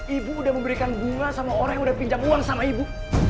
ibu udah memberikan bunga sama orang yang udah pinjam uang sama ibu